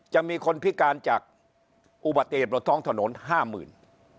จะมีคนพิการจากอุบัติเหตุบนท้องถนนห้าหมื่น